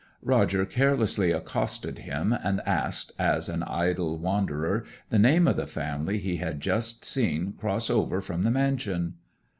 Roger carelessly accosted him, and asked, as an idle wanderer, the name of the family he had just seen cross over from the mansion.